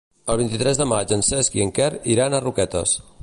El vint-i-tres de maig en Cesc i en Quer iran a Roquetes.